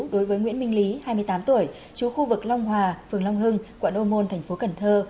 đối với nguyễn minh lý hai mươi tám tuổi chú khu vực long hòa phường long hưng quận ô môn thành phố cần thơ